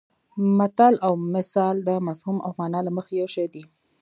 متل او مثل د مفهوم او مانا له مخې یو شی دي